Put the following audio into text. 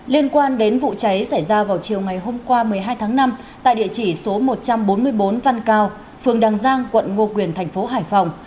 liên quan đến vụ cháy xảy ra vào chiều ngày hôm qua một mươi hai tháng năm tại địa chỉ số một trăm bốn mươi bốn văn cao phường đằng giang quận ngo quyền thành phố hải phòng